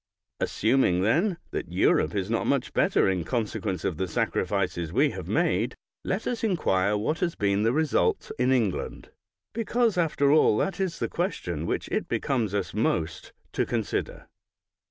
Assuming, then, that Europe is not much better in consequence of the sacri fices we have made, let us inquire what has been the result in England, because, after all, that is the question which it becomes us most to consider.